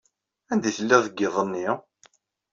Anda ay tellid deg yiḍ-nni?